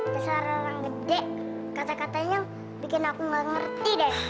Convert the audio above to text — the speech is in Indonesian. besar orang gede kata katanya bikin aku gak ngerti deh